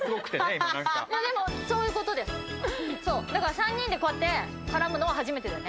３人でこうやって絡むのは初めてだよね。